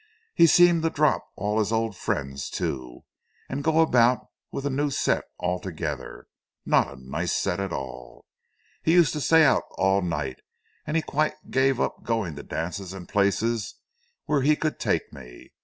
He seemed to drop all his old friends, too, and go about with a new set altogether not a nice set at all. He used to stay out all night, and he quite gave up going to dances and places where he could take me.